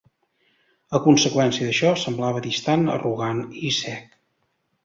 A conseqüència d'això, semblava distant, arrogant, i sec.